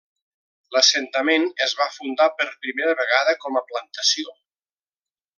L'assentament es va fundar per primera vegada com a plantació.